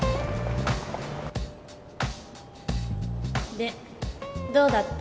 でどうだった？